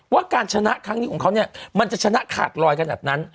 ว่าการชนะครั้งนี้ของเขาเนี่ยมันจะชนะขาดลอยขนาดนั้น